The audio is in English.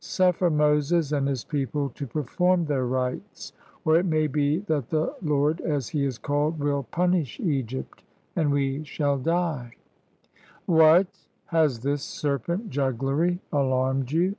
Suffer Moses and his people to perform their rites, or it may be that the Lord, as he is called, will punish Egypt, and we shall die." 142 LET MY PEOPLE GO "What! has this serpent jugglery alarmed you?"